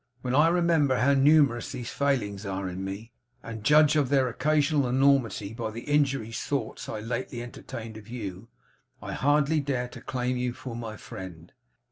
When I remember how numerous these failings are in me, and judge of their occasional enormity by the injurious thoughts I lately entertained of you, I hardly dare to claim you for my friend.